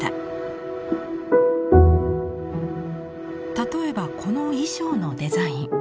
例えばこの衣装のデザイン。